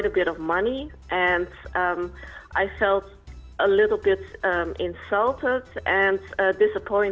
dan saya merasa sedikit mengganggu dan mengecewakan